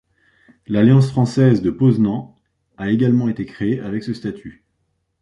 L'Alliance française de Poznań a également été créée avec ce statut.